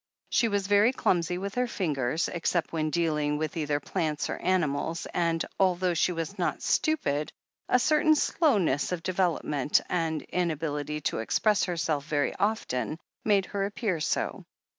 She was very clumsy with her fingers, except when dealing with either plants or animals, and al though she was not stupid, a certain slowness of de velopment and inability to express herself very often made her appear so.